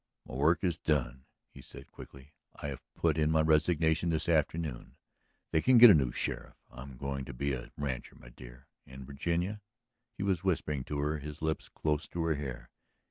"My work is done," he said quickly. "I have put in my resignation this afternoon. They can get a new sheriff. I am going to be a rancher, my dear. And, Virginia ..." He was whispering to her, his lips close to her hair.